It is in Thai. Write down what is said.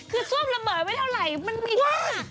คือซวบระเบิดไม่ได้เท่าไหร่มันมีที่หนัก